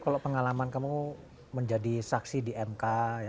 kalau pengalaman kamu menjadi saksi di mk